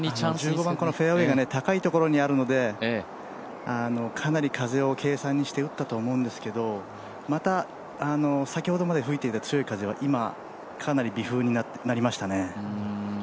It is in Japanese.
１５番フェアウエーが高いところにあるので風を計算して打ったと思うんですけどまた先ほどまで吹いていた強い風は、今かなり微風になりましたね。